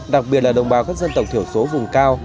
đặc biệt là đồng bào các dân tộc thiểu số vùng cao